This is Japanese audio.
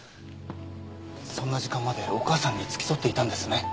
そんな時間までお母さんに付き添っていたんですね。